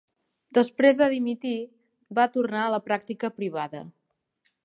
Després de dimitir, va tornar a la pràctica privada.